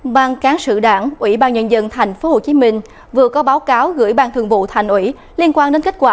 ban cán sự đảng ủy ban nhân dân tp hcm vừa có báo cáo gửi ban thường vụ thành ủy liên quan đến kết quả